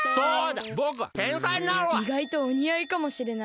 いがいとおにあいかもしれない。